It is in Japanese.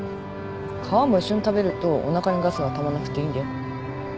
皮も一緒に食べるとおなかにガスがたまんなくていいんだよ。